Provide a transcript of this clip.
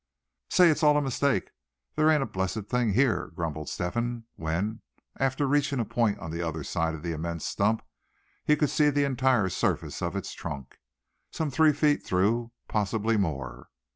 "Say, it's all a mistake; there ain't a blessed thing here!" grumbled Step hen, when, after reaching a point on the other side of the immense stump, he could see the entire surface of its trunk, some three feet through, possibly more.